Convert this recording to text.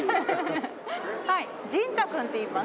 はいジンタ君っていいます。